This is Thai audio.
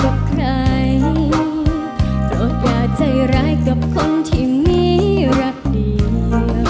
กับใครโปรดอย่าใจร้ายกับคนที่มีรักเดียว